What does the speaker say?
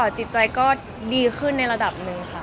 จิตใจก็ดีขึ้นในระดับหนึ่งค่ะ